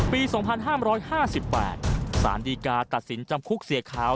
ปี๒๕๕๘สารดีกาตัดสินจำคุกเสียขาว